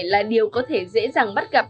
là điều có thể dễ dàng bắt gặp